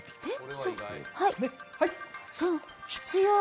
えっ？